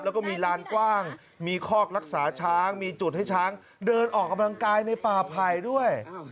แล้วก็มีลานกว้างมีคอกรักษาช้างมีจุดให้ช้างเดินออกกำลังกายในป่าไผ่ด้วย